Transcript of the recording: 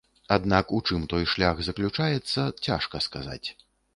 Аднак у чым той шлях заключаецца, цяжка сказаць.